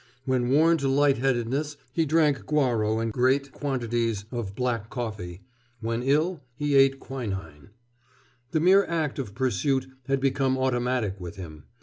When worn to lightheadedness he drank guaro and great quantities of black coffee; when ill he ate quinin. The mere act of pursuit had become automatic with him.